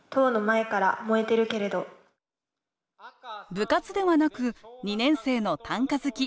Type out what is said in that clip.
部活ではなく２年生の短歌好き